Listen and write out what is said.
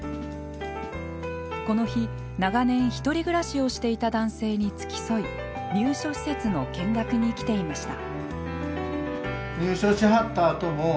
この日、長年、独り暮らしをしていた男性に付き添い入所施設の見学に来ていました。